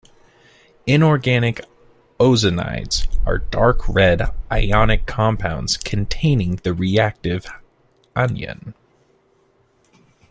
Inorganic ozonides are dark red ionic compounds containing the reactive anion.